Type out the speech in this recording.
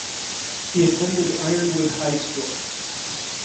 He attended Ironwood High School.